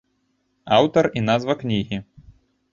Аўтар і назва кнігі.